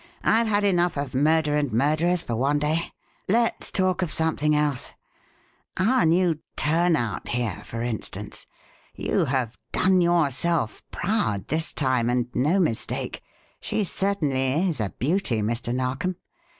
I've had enough of murder and murderers for one day let's talk of something else. Our new 'turnout,' here, for instance. You have 'done yourself proud' this time and no mistake she certainly is a beauty, Mr. Narkom.